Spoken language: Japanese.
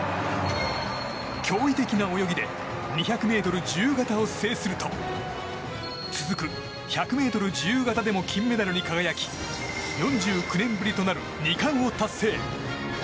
驚異的な泳ぎで２００ｍ自由形を制すると続く１００ｍ自由形でも金メダルに輝き４９年ぶりとなる２冠を達成。